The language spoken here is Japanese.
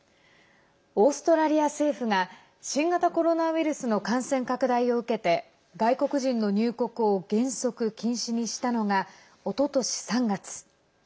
オーストラリア政府が新型コロナウイルスの感染拡大を受けて外国人の入国を原則禁止にしたのがおととし３月。